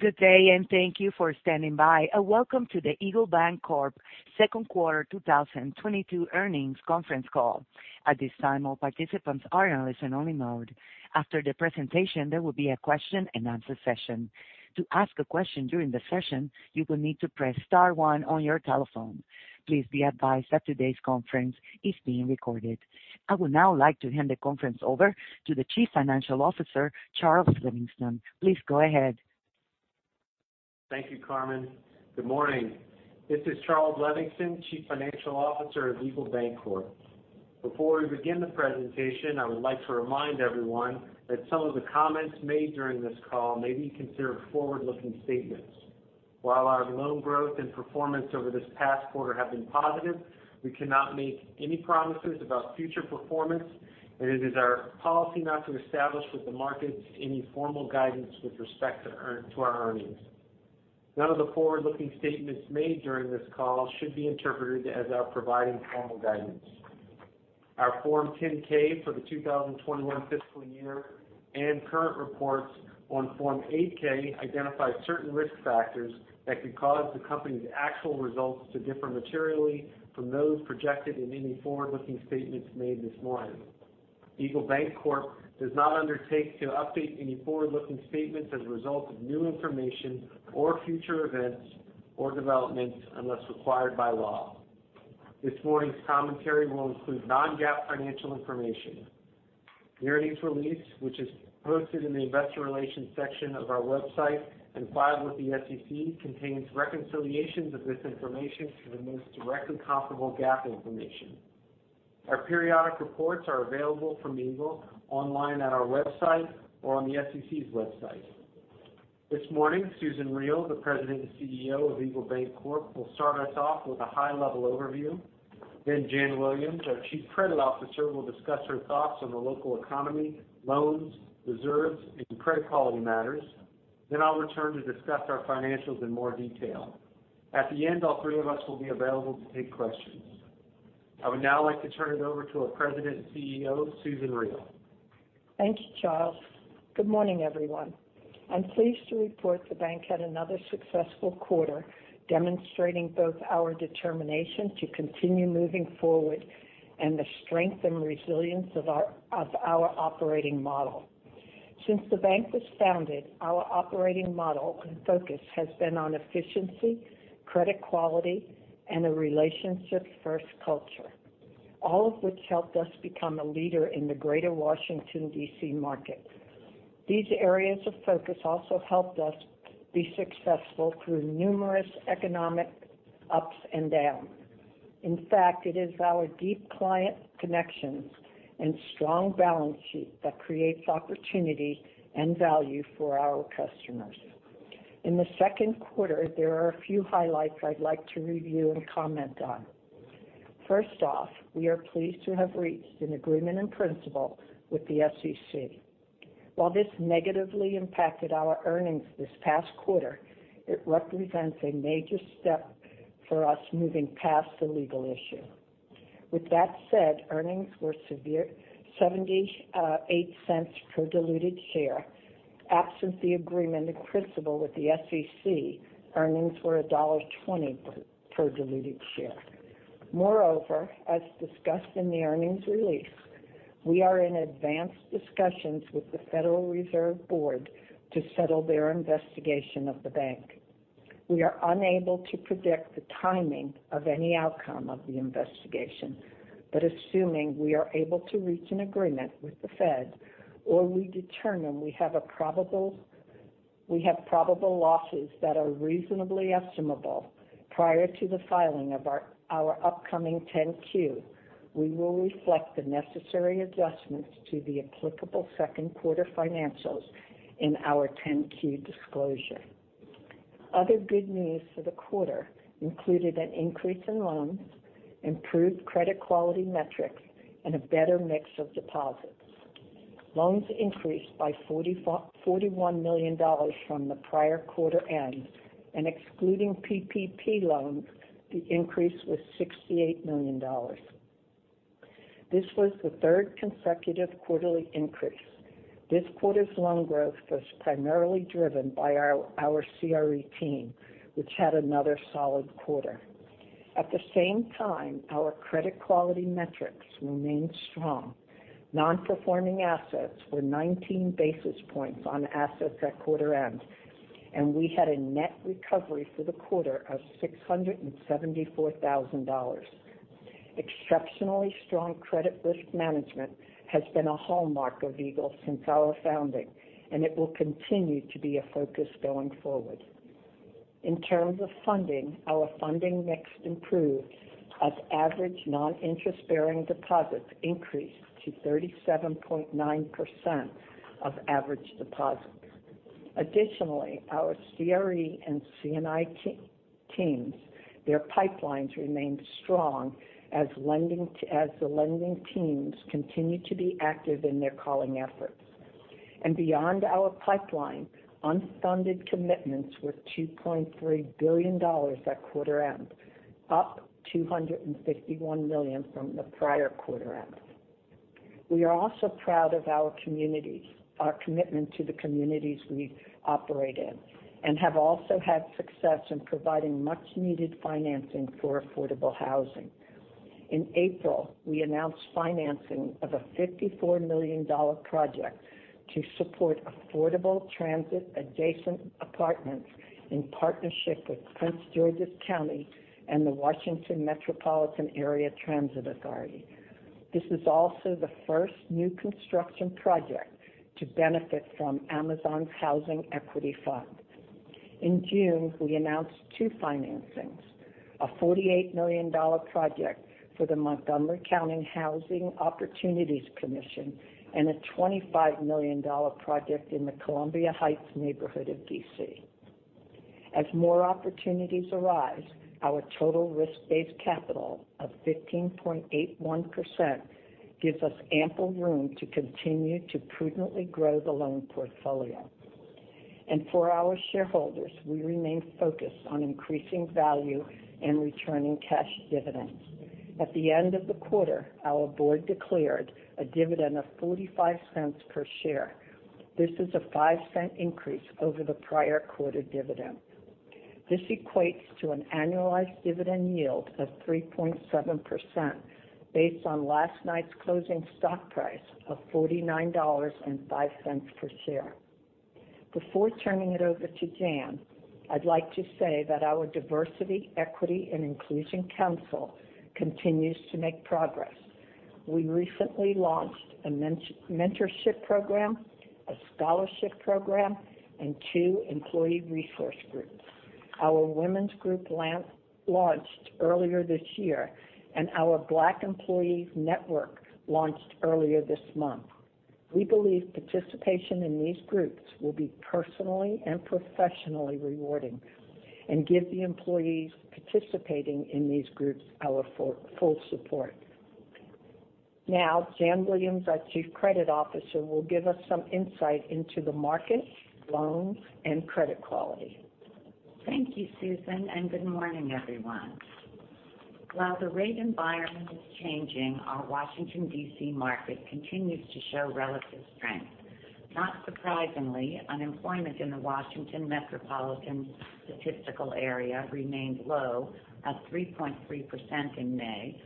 Good day, and thank you for standing by, and welcome to the Eagle Bancorp, Inc. second quarter 2022 earnings conference call. At this time, all participants are in listen-only mode. After the presentation, there will be a question-and-answer session. To ask a question during the session, you will need to press star one on your telephone. Please be advised that today's conference is being recorded. I would now like to hand the conference over to the Chief Financial Officer, Charles D. Levingston. Please go ahead. Thank you, Carmen. Good morning. This is Charles D. Levingston, Chief Financial Officer of Eagle Bancorp, Inc. Before we begin the presentation, I would like to remind everyone that some of the comments made during this call may be considered forward-looking statements. While our loan growth and performance over this past quarter have been positive, we cannot make any promises about future performance, and it is our policy not to establish with the markets any formal guidance with respect to our earnings. None of the forward-looking statements made during this call should be interpreted as our providing formal guidance. Our Form 10-K for the 2021 fiscal year and current reports on Form 8-K identify certain risk factors that could cause the company's actual results to differ materially from those projected in any forward-looking statements made this morning. Eagle Bancorp, Inc. Does not undertake to update any forward-looking statements as a result of new information or future events or developments unless required by law. This morning's commentary will include Non-GAAP financial information. The earnings release, which is posted in the investor relations section of our website and filed with the SEC, contains reconciliations of this information to the most directly comparable GAAP information. Our periodic reports are available from Eagle online at our website or on the SEC's website. This morning, Susan Riel, the President and CEO of Eagle Bancorp, Inc., will start us off with a high-level overview. Janice Williams, our Chief Credit Officer, will discuss her thoughts on the local economy, loans, reserves, and credit quality matters. I'll return to discuss our financials in more detail. At the end, all three of us will be available to take questions. I would now like to turn it over to our President and CEO, Susan Riel. Thank you, Charles. Good morning, everyone. I'm pleased to report the bank had another successful quarter, demonstrating both our determination to continue moving forward and the strength and resilience of our operating model. Since the bank was founded, our operating model and focus has been on efficiency, credit quality, and a relationship-first culture, all of which helped us become a leader in the greater Washington, D.C. market. These areas of focus also helped us be successful through numerous economic ups and downs. In fact, it is our deep client connections and strong balance sheet that creates opportunity and value for our customers. In the second quarter, there are a few highlights I'd like to review and comment on. First off, we are pleased to have reached an agreement in principle with the SEC. While this negatively impacted our earnings this past quarter, it represents a major step for us moving past the legal issue. With that said, earnings were $0.78 per diluted share. Absent the agreement in principle with the SEC, earnings were $1.20 per diluted share. Moreover, as discussed in the earnings release, we are in advanced discussions with the Federal Reserve Board to settle their investigation of the bank. We are unable to predict the timing of any outcome of the investigation, but assuming we are able to reach an agreement with the Fed or we determine we have probable losses that are reasonably estimable prior to the filing of our upcoming 10-Q, we will reflect the necessary adjustments to the applicable second quarter financials in our 10-Q disclosure. Other good news for the quarter included an increase in loans, improved credit quality metrics, and a better mix of deposits. Loans increased by $41 million from the prior quarter end, and excluding PPP loans, the increase was $68 million. This was the third consecutive quarterly increase. This quarter's loan growth was primarily driven by our CRE team, which had another solid quarter. At the same time, our credit quality metrics remained strong. Non-performing assets were 19 basis points on assets at quarter end, and we had a net recovery for the quarter of $674,000. Exceptionally strong credit risk management has been a hallmark of Eagle since our founding, and it will continue to be a focus going forward. In terms of funding, our funding mix improved as average non-interest-bearing deposits increased to 37.9% of average deposits. Additionally, our CRE and C&I teams' pipelines remained strong as the lending teams continued to be active in their calling efforts. Beyond our pipeline, unfunded commitments were $2.3 billion at quarter end, up $261 million from the prior quarter end. We are also proud of our communities, our commitment to the communities we operate in, and have also had success in providing much-needed financing for affordable housing. In April, we announced financing of a $54 million project to support affordable transit adjacent apartments in partnership with Prince George's County and the Washington Metropolitan Area Transit Authority. This is also the first new construction project to benefit from Amazon's Housing Equity Fund. In June, we announced two financings, a $48 million project for the Housing Opportunities Commission of Montgomery County and a $25 million project in the Columbia Heights neighborhood of D.C. As more opportunities arise, our total risk-based capital of 15.81% gives us ample room to continue to prudently grow the loan portfolio. For our shareholders, we remain focused on increasing value and returning cash dividends. At the end of the quarter, our board declared a dividend of $0.45 per share. This is a 5-cent increase over the prior quarter dividend. This equates to an annualized dividend yield of 3.7% based on last night's closing stock price of $49.05 per share. Before turning it over to Jan, I'd like to say that our Diversity, Equity and Inclusion Council continues to make progress. We recently launched a mentorship program, a scholarship program, and two employee resource groups. Our women's group launched earlier this year, and our Black employee network launched earlier this month. We believe participation in these groups will be personally and professionally rewarding and give the employees participating in these groups our full support. Now, Janice Williams, our Chief Credit Officer, will give us some insight into the market, loans, and credit quality. Thank you, Susan, and good morning, everyone. While the rate environment is changing, our Washington, D.C. market continues to show relative strength. Not surprisingly, unemployment in the Washington metropolitan statistical area remained low at 3.3% in May,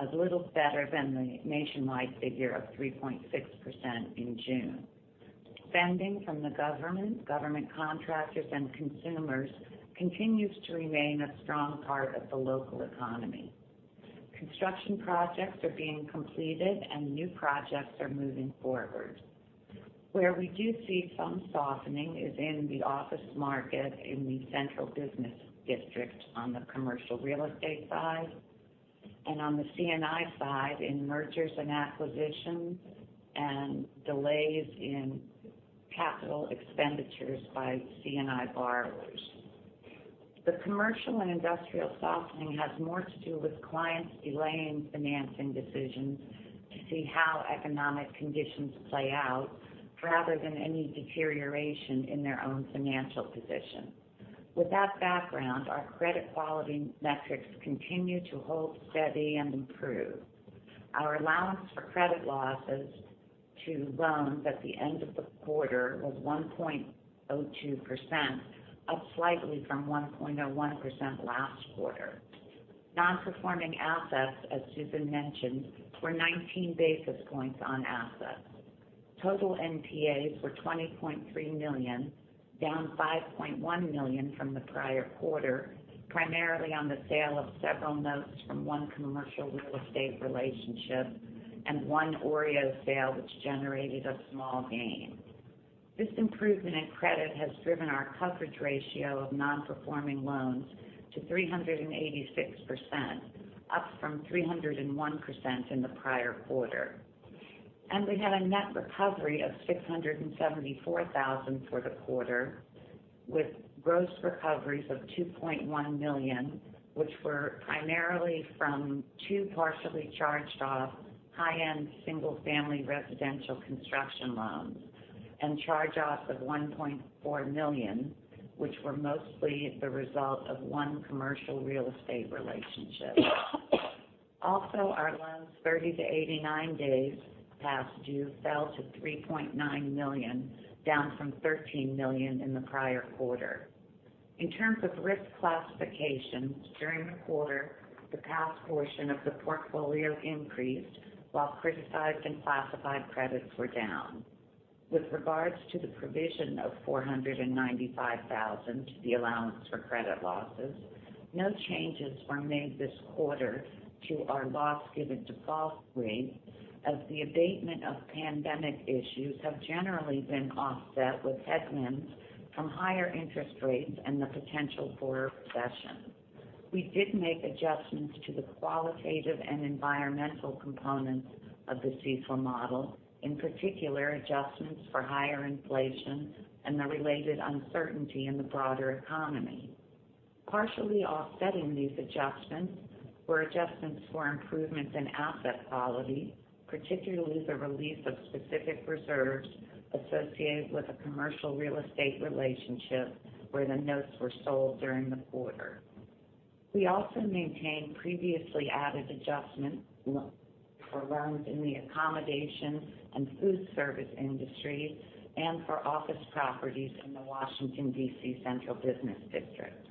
a little better than the nationwide figure of 3.6% in June. Spending from the government contractors, and consumers continues to remain a strong part of the local economy. Construction projects are being completed and new projects are moving forward. Where we do see some softening is in the office market in the central business district on the commercial real estate side and on the C&I side in mergers and acquisitions and delays in capital expenditures by C&I borrowers. The commercial and industrial softening has more to do with clients delaying financing decisions to see how economic conditions play out rather than any deterioration in their own financial position. With that background, our credit quality metrics continue to hold steady and improve. Our allowance for credit losses to loans at the end of the quarter was 1.02%, up slightly from 1.01% last quarter. Nonperforming assets, as Susan mentioned, were 19 basis points on assets. Total NPAs were $20.3 million, down $5.1 million from the prior quarter, primarily on the sale of several notes from one commercial real estate relationship and one OREO sale which generated a small gain. This improvement in credit has driven our coverage ratio of nonperforming loans to 386%, up from 301% in the prior quarter. We had a net recovery of $674,000 for the quarter, with gross recoveries of $2.1 million, which were primarily from two partially charged off high-end single-family residential construction loans, and charge-offs of $1.4 million, which were mostly the result of one commercial real estate relationship. Our loans 30-89 days past due fell to $3.9 million, down from $13 million in the prior quarter. In terms of risk classification, during the quarter, the pass portion of the portfolio increased while criticized and classified credits were down. With regards to the provision of $495,000 to the allowance for credit losses, no changes were made this quarter to our loss given default rate as the abatement of pandemic issues have generally been offset with headwinds from higher interest rates and the potential for recession. We did make adjustments to the qualitative and environmental components of the CECL model, in particular adjustments for higher inflation and the related uncertainty in the broader economy. Partially offsetting these adjustments were adjustments for improvements in asset quality, particularly the release of specific reserves associated with a commercial real estate relationship where the notes were sold during the quarter. We also maintain previously added adjustments for loans in the accommodation and food service industry and for office properties in the Washington, D.C. Central Business District.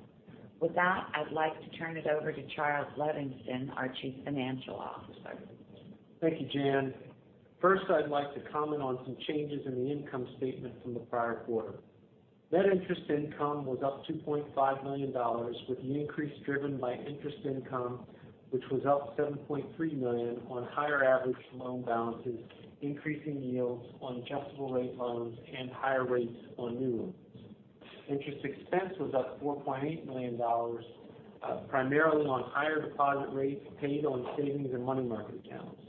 With that, I'd like to turn it over to Charles D. Levingston, our Chief Financial Officer. Thank you, Jan. First, I'd like to comment on some changes in the income statement from the prior quarter. Net interest income was up $2.5 million, with the increase driven by interest income, which was up $7.3 million on higher average loan balances, increasing yields on adjustable-rate loans and higher rates on new loans. Interest expense was up $4.8 million, primarily on higher deposit rates paid on savings and money market accounts.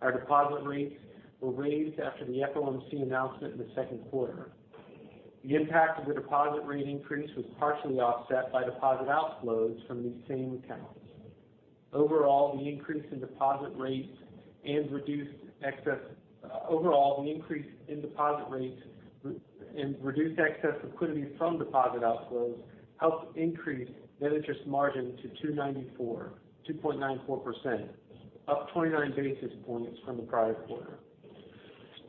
Our deposit rates were raised after the FOMC announcement in the second quarter. The impact of the deposit rate increase was partially offset by deposit outflows from these same accounts. Overall, an increase in deposit rates and reduced excess liquidity from deposit outflows helped increase net interest margin to 2.94%, up 29 basis points from the prior quarter.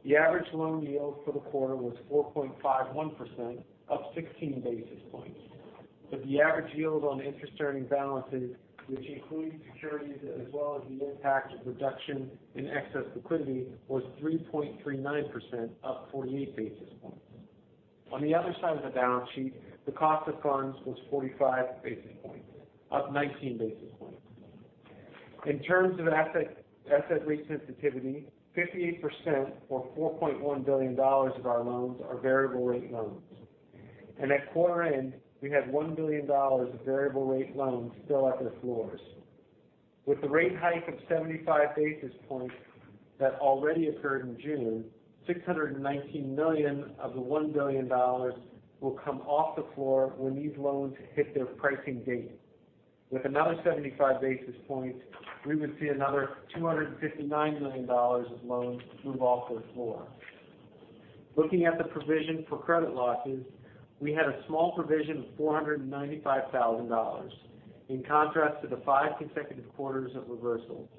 The average loan yield for the quarter was 4.51%, up 16 basis points. The average yield on interest-earning balances, which include securities as well as the impact of reduction in excess liquidity, was 3.39%, up 48 basis points. On the other side of the balance sheet, the cost of funds was 45 basis points, up 19 basis points. In terms of asset rate sensitivity, 58% or $4.1 billion of our loans are variable rate loans. At quarter end, we had $1 billion of variable rate loans still at their floors. With the rate hike of 75 basis points that already occurred in June, $619 million of the $1 billion will come off the floor when these loans hit their pricing date. With another 75 basis points, we would see another $259 million of loans move off their floor. Looking at the provision for credit losses, we had a small provision of $495,000, in contrast to the five consecutive quarters of reversals.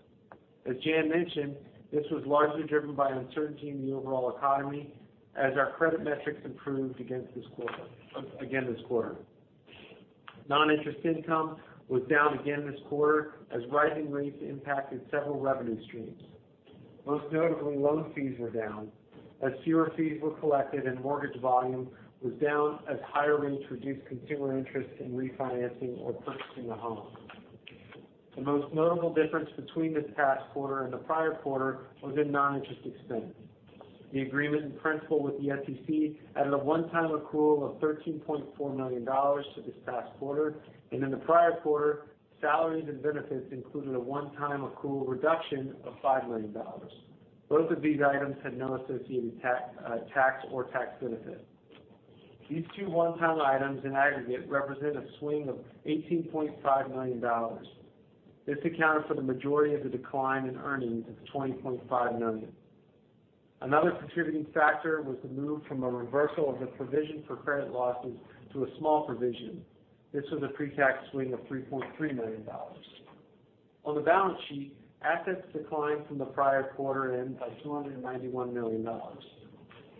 As Jan mentioned, this was largely driven by uncertainty in the overall economy as our credit metrics improved against this quarter, again this quarter. Non-interest income was down again this quarter as rising rates impacted several revenue streams. Most notably, loan fees were down as fewer fees were collected and mortgage volume was down as higher rates reduced consumer interest in refinancing or purchasing a home. The most notable difference between this past quarter and the prior quarter was in non-interest expense. The agreement in principle with the SEC added a one-time accrual of $13.4 million to this past quarter, and in the prior quarter, salaries and benefits included a one-time accrual reduction of $5 million. Both of these items had no associated tax or tax benefit. These two one-time items in aggregate represent a swing of $18.5 million. This accounted for the majority of the decline in earnings of $20.5 million. Another contributing factor was the move from a reversal of the provision for credit losses to a small provision. This was a pretax swing of $3.3 million. On the balance sheet, assets declined from the prior quarter end by $291 million.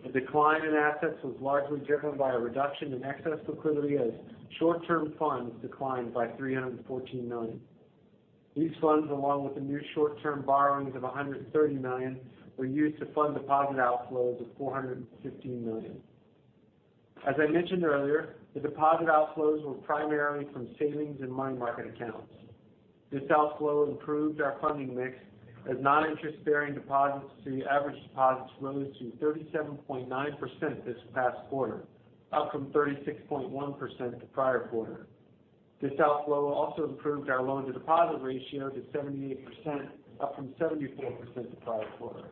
The decline in assets was largely driven by a reduction in excess liquidity as short-term funds declined by $314 million. These funds, along with the new short-term borrowings of $130 million, were used to fund deposit outflows of $415 million. As I mentioned earlier, the deposit outflows were primarily from savings and money market accounts. This outflow improved our funding mix as non-interest-bearing deposits to average deposits rose to 37.9% this past quarter, up from 36.1% the prior quarter. This outflow also improved our loan-to-deposit ratio to 78%, up from 74% the prior quarter.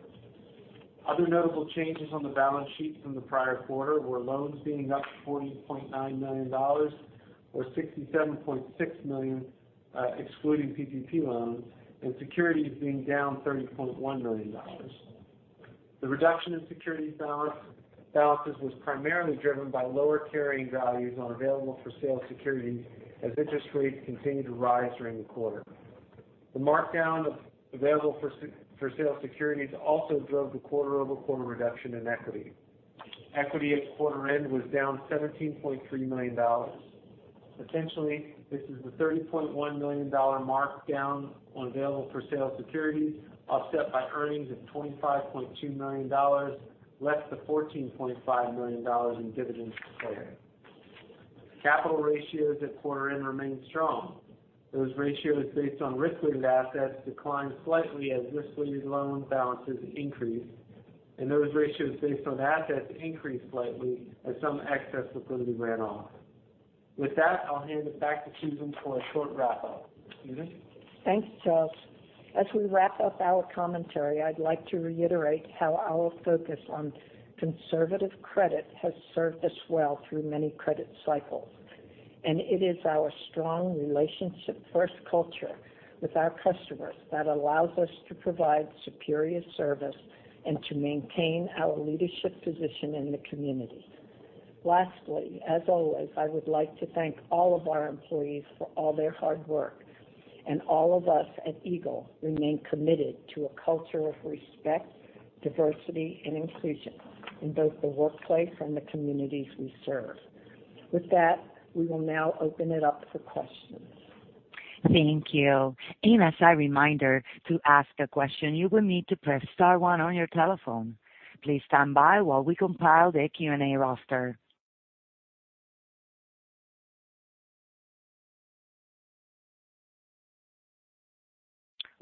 Other notable changes on the balance sheet from the prior quarter were loans being up $40.9 million or $67.6 million, excluding PPP loans, and securities being down $30.1 million. The reduction in securities balances was primarily driven by lower carrying values on available-for-sale securities as interest rates continued to rise during the quarter. The markdown of available-for-sale securities also drove the quarter-over-quarter reduction in equity. Equity at quarter end was down $17.3 million. Essentially, this is the $30.1 million markdown on available-for-sale securities, offset by earnings of $25.2 million, less the $14.5 million in dividends declared. Capital ratios at quarter end remained strong. Those ratios based on risk-weighted assets declined slightly as risk-weighted loan balances increased, and those ratios based on assets increased slightly as some excess liquidity ran off. With that, I'll hand it back to Susan for a short wrap-up. Susan? Thanks, Charles. As we wrap up our commentary, I'd like to reiterate how our focus on conservative credit has served us well through many credit cycles. It is our strong relationship-first culture with our customers that allows us to provide superior service and to maintain our leadership position in the community. Lastly, as always, I would like to thank all of our employees for all their hard work. All of us at Eagle remain committed to a culture of respect, diversity, and inclusion in both the workplace and the communities we serve. With that, we will now open it up for questions. Thank you. As a reminder, to ask a question, you will need to press star one on your telephone. Please stand by while we compile the Q&A roster.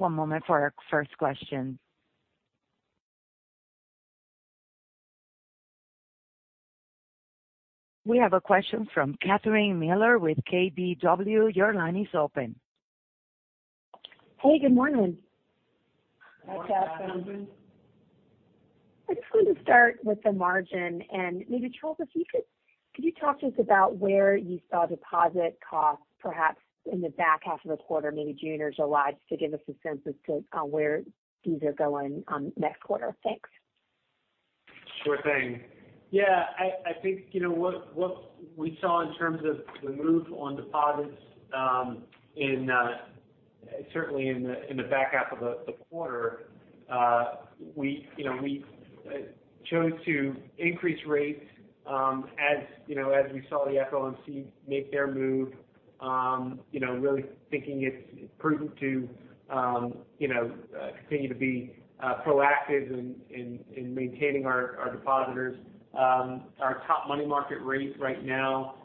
One moment for our first question. We have a question from Catherine Mealor with KBW. Your line is open. Hey, good morning. Hi, Catherine. Good morning. I just wanted to start with the margin, and maybe Charles, if you could you talk to us about where you saw deposit costs perhaps in the back half of the quarter, maybe June or July, just to give us a sense as to on where these are going, next quarter? Thanks. Sure thing. Yeah, I think, you know, what we saw in terms of the move on deposits certainly in the back half of the quarter, we, you know, chose to increase rates, as you know, as we saw the FOMC make their move, you know, really thinking it's prudent to, you know, continue to be proactive in maintaining our depositors. Our top money market rate right now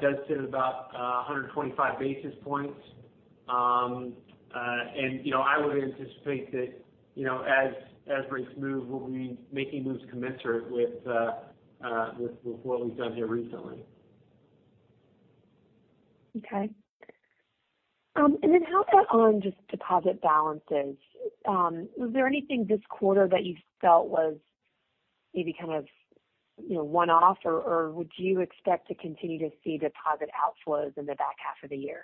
does sit about 125 basis points. You know, I would anticipate that, you know, as rates move, we'll be making moves commensurate with what we've done here recently. Okay. How about on just deposit balances? Was there anything this quarter that you felt was maybe kind of, you know, one-off, or would you expect to continue to see deposit outflows in the back half of the year?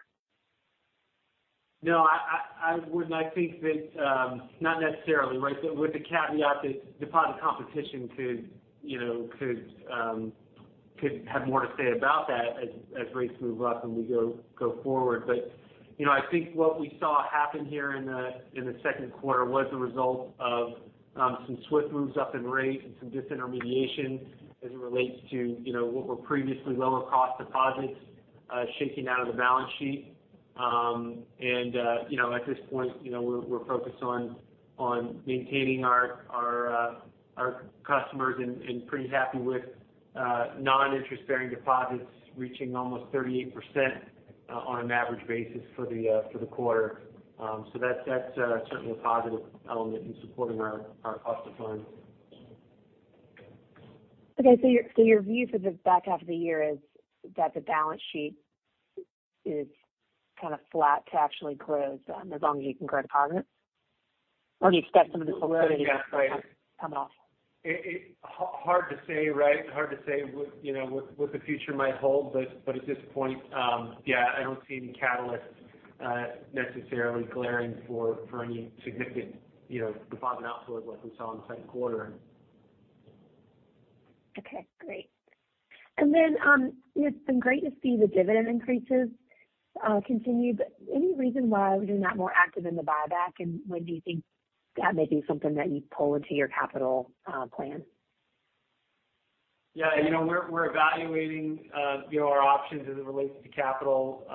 No, I wouldn't. I think that not necessarily, right? With the caveat that deposit competition could, you know, have more to say about that as rates move up and we go forward. You know, I think what we saw happen here in the second quarter was a result of some swift moves up in rates and some disintermediation as it relates to, you know, what were previously lower cost deposits shaking out of the balance sheet. You know, at this point, you know, we're focused on maintaining our customers and pretty happy with non-interest-bearing deposits reaching almost 38% on an average basis for the quarter. That's certainly a positive element in supporting our cost of funds. Okay. Your view for the back half of the year is that the balance sheet is kind of flat to actually grow as long as you can grow deposits? Or do you expect some of the volatility. Yeah. Right. Coming off? Hard to say, right? Hard to say what, you know, the future might hold. At this point, yeah, I don't see any catalyst necessarily glaring for any significant, you know, deposit outflow like we saw in the second quarter. Okay, great. It's been great to see the dividend increases continue. Any reason why you're not more active in the buyback, and when do you think that may be something that you pull into your capital plan? Yeah. You know, we're evaluating, you know, our options as it relates to capital,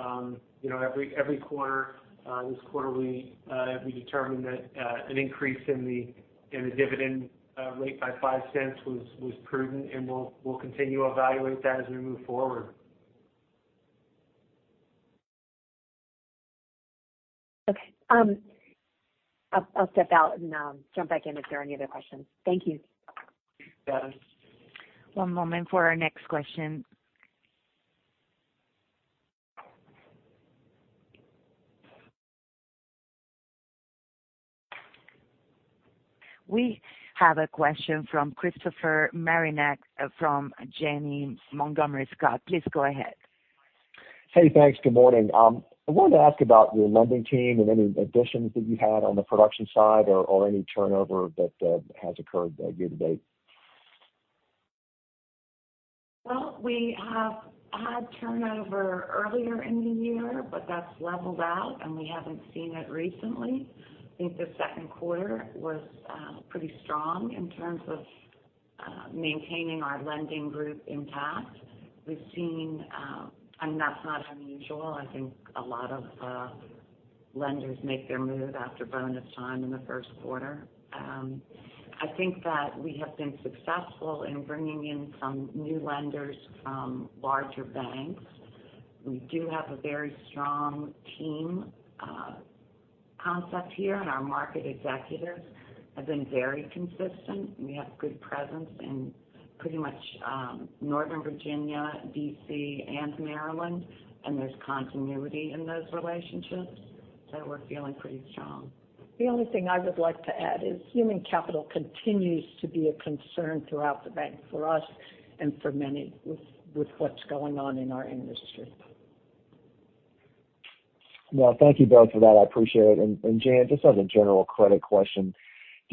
you know, every quarter. This quarter, we determined that an increase in the dividend rate by $0.05 was prudent, and we'll continue to evaluate that as we move forward. Okay. I'll step out and jump back in if there are any other questions. Thank you. Thanks. One moment for our next question. We have a question from Christopher Marinac from Janney Montgomery Scott. Please go ahead. Hey, thanks. Good morning. I wanted to ask about your lending team and any additions that you had on the production side or any turnover that has occurred year to date. Well, we have had turnover earlier in the year, but that's leveled out, and we haven't seen it recently. I think the second quarter was pretty strong in terms of maintaining our lending group intact. And that's not unusual. I think a lot of lenders make their move after bonus time in the first quarter. I think that we have been successful in bringing in some new lenders from larger banks. We do have a very strong team concept here, and our market executives have been very consistent, and we have good presence in pretty much Northern Virginia, D.C., and Maryland, and there's continuity in those relationships, so we're feeling pretty strong. The only thing I would like to add is human capital continues to be a concern throughout the bank for us and for many with what's going on in our industry. Well, thank you both for that. I appreciate it. Jan, just as a general credit question,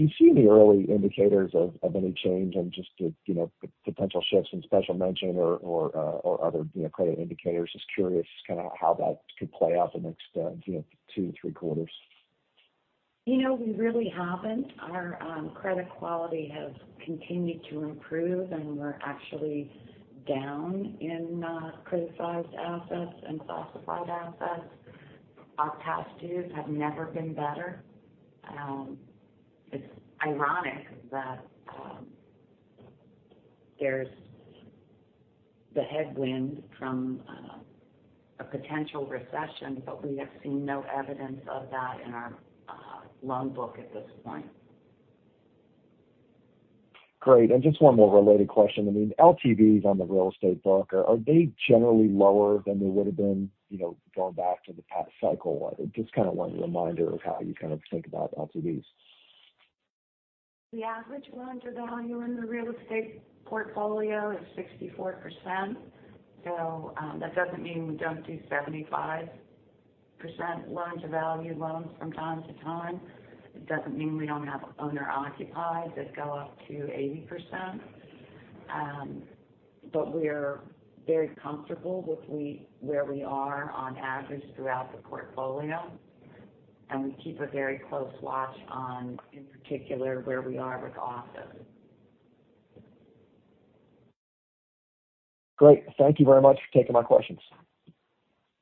do you see any early indicators of any change and just to, you know, potential shifts in special mention or other, you know, credit indicators? Just curious kind of how that could play out the next, you know, two to three quarters. You know, we really haven't. Our credit quality has continued to improve, and we're actually down in criticized assets and classified assets. Our past dues have never been better. It's ironic that there's the headwind from a potential recession, but we have seen no evidence of that in our loan book at this point. Great. Just one more related question. I mean, LTVs on the real estate book, are they generally lower than they would've been, you know, going back to the past cycle? Just kind of want a reminder of how you kind of think about LTVs. The average loan-to-value in the real estate portfolio is 64%. That doesn't mean we don't do 75% loan-to-value loans from time to time. It doesn't mean we don't have owner-occupied that go up to 80%. We are very comfortable with where we are on average throughout the portfolio, and we keep a very close watch on, in particular, where we are with offices. Great. Thank you very much for taking my questions.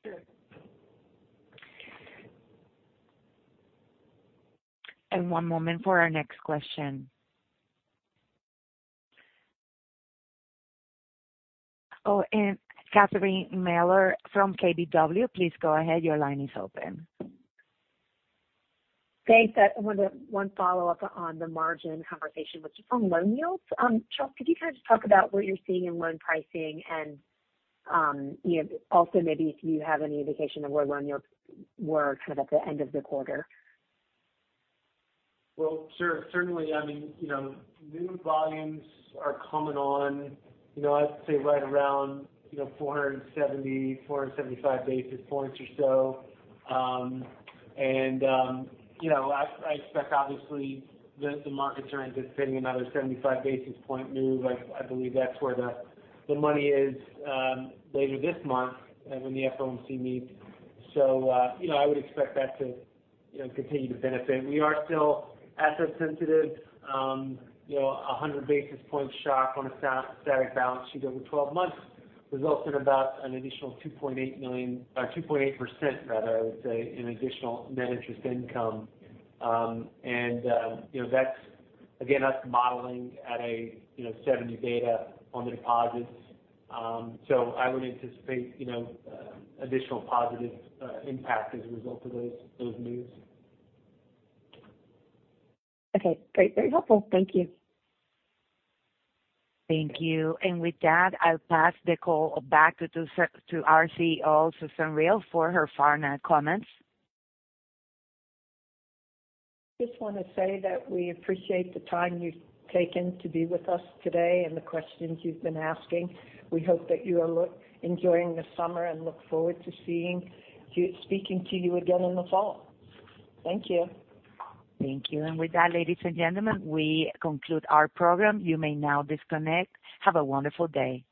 Sure. One moment for our next question. Oh, Catherine Mealor from KBW. Please go ahead. Your line is open. Thanks. I have one follow-up on the margin conversation, which is on loan yields. Charles, could you kind of just talk about what you're seeing in loan pricing and, you know, also maybe if you have any indication of where loan yields were kind of at the end of the quarter? Well, sir, certainly, I mean, you know, new volumes are coming on, you know, I'd say right around, you know, 475 basis points or so. You know, I expect obviously the markets are anticipating another 75 basis point move. I believe that's where the money is later this month and when the FOMC meets. You know, I would expect that to continue to benefit. We are still asset sensitive. You know, a 100 basis point shock on a static balance sheet over 12 months results in about an additional 2.8% rather, I would say an additional net interest income. You know, that's again, us modeling at a 70 beta on the deposits. I would anticipate, you know, additional positive impact as a result of those moves. Okay, great. Very helpful. Thank you. Thank you. With that, I'll pass the call back to Susan, to our CEO, Susan Riel, for her final comments. Just wanna say that we appreciate the time you've taken to be with us today and the questions you've been asking. We hope that you are enjoying the summer and look forward to speaking to you again in the fall. Thank you. Thank you. With that, ladies and gentlemen, we conclude our program. You may now disconnect. Have a wonderful day.